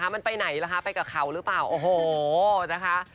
มันไปไหนล่ะคะไปกับเขาหรือเปล่าโอ้โหนะคะ